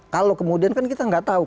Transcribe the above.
kalau kemudian kan kita nggak tahu